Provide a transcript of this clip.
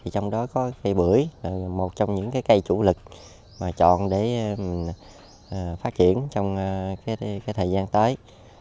trong đó có cây bưởi là một trong những cây chủ lực mà chọn để phát triển trong thời gian tới